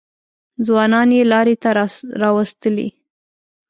ځوانان یې لارې ته راوستلي.